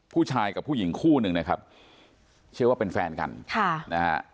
ผู้ชายกับผู้หญิงคู่หนึ่งนะครับเชื่อว่าเป็นแฟนกันค่ะนะฮะ